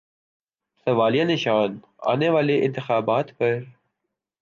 سوالیہ نشان آنے والے انتخابات پر۔